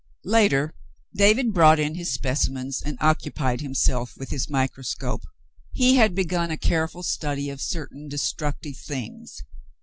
Later, David brought in his specimens and occupied himself with his microscope. He had begun a careful study of certain destructive things.